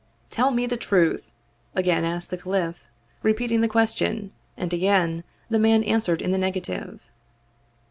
"Tell me the truth," again asked the caliph, repeating the question, and again the man answered in the negative.